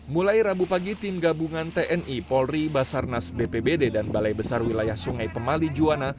mulai rabu pagi tim gabungan tni polri basarnas bpbd dan balai besar wilayah sungai pemali juwana